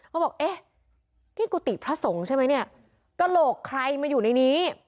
เขาบอกเอ๊ะที่กุฏิพระสงฆ์ใช่ไหมเนี่ยกระโหลกใครมาอยู่ในนี้